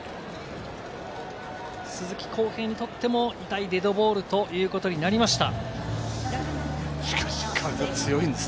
鈴木康平にとっても痛いデッドボールということになりました。